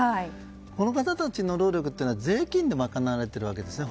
この方たちの労力は税金で賄われているわけですね。